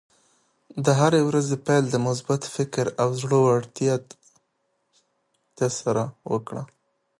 د هرې ورځې پیل د مثبت فکر او زړۀ ورتیا سره وکړه.